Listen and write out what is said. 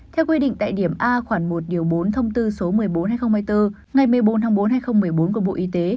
theo quy định tại điểm a khoảng một bốn thông tư số một mươi bốn hai nghìn hai mươi bốn ngày một mươi bốn tháng bốn hai nghìn một mươi bốn của bộ y tế